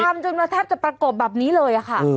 จนมาแทบจะประกบแบบนี้เลยค่ะ